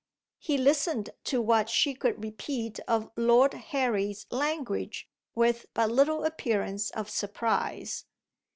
He listened to what she could repeat of Lord Harry's language with but little appearance of surprise.